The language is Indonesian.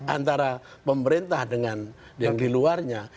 antara pemerintah dengan yang di luarnya